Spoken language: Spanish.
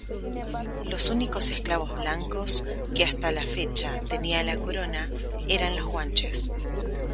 Los únicos esclavos blancos que hasta la fecha tenía la Corona, eran los guanches.